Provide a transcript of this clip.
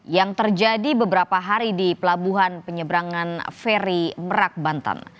yang terjadi beberapa hari di pelabuhan penyebrangan feri merak bantan